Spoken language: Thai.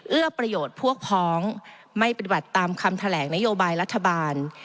เอื้อประโยชน์พวกพ้องไม่ปฏิบัติตามคำแถลงนโยบายรัฐบาล